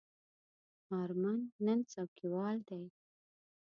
آرمل نن څوکیوال دی.